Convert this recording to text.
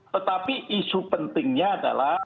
tetapi isu pentingnya adalah